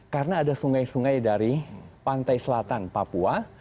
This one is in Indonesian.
karena ada sungai sungai dari pantai selatan papua